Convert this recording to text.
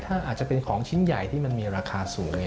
ถ้าอาจจะเป็นของชิ้นใหญ่ที่มันมีราคาสูง